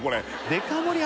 デカ盛り